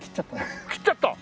切っちゃった。